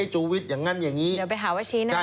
ชูวิทย์อย่างนั้นอย่างนี้เดี๋ยวไปหาว่าชี้หน้า